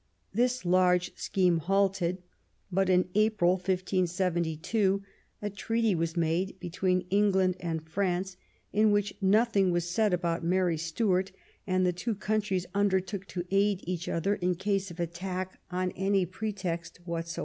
This large scheme halted; but, in April, 1572, a treaty was made between England and France, in which nothing was said about Mary Stuart, and the two countries undertook to aid each other in case of attack on any pretext whatever.